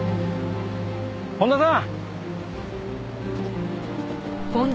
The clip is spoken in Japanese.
本田さん！